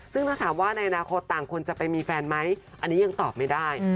ซึ่งถ้าถามว่าในอนาคตต่างคนจะไปมีแฟนไหมอันนี้ยังตอบไม่ได้